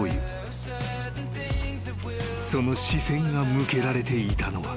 ［その視線が向けられていたのは］